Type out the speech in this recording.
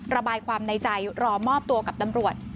ระบายความในใจรอมอบตัวกับตำรวจ